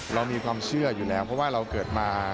เรามีความเชื่ออยู่แล้วเพราะว่าเราเกิดมา